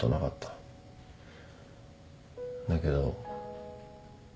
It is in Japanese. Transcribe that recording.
だけど。